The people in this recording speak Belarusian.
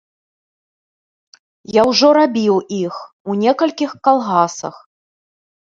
Я ўжо рабіў іх у некалькіх калгасах.